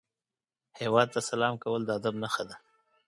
هیواد ته سلام کول د ادب نښه ده